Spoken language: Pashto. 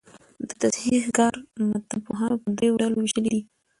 د تصحیح کار متنپوهانو په درو ډلو ویشلی دﺉ.